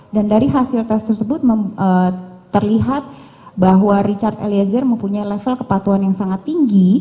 dari hasil tes tersebut terlihat bahwa richard eliezer mempunyai level kepatuhan yang sangat tinggi